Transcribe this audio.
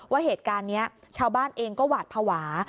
ว่าเหตุการณ์นี้ชาวบ้านเองก็หวาดภาวะ